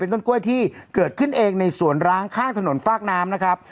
ต้นกล้วยที่เกิดขึ้นเองในสวนร้างข้างถนนฟากน้ำนะครับ